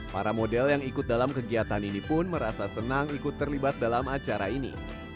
para model yang ikut dalam kegiatan ini pun merasa senang ikut terlibat dalam acara ini